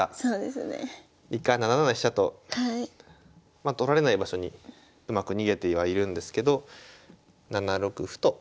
まあ取られない場所にうまく逃げてはいるんですけど７六歩と。